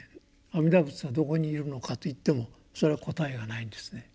阿弥陀仏はどこにいるのかと言ってもそれは答えがないんですね。